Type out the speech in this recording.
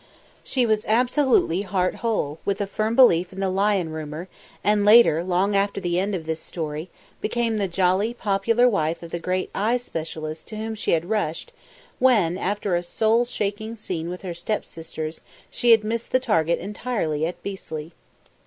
She was absolutely heart whole, with a firm belief in the "lion" rumour, and later, long after the end of this story, became the jolly, popular wife of the great eye specialist to whom she had rushed when, after a soul shaking scene with her step sisters, she had missed the target entirely at Bisley.